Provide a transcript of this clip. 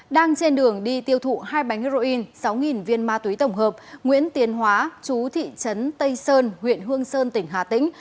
đang trên đường đi tiêu thụ hai bánh heroin sáu viên ma túy tổng hợp nguyễn tiến hóa chú thị trấn tây sơn huyện hương sơn tỉnh hà tĩnh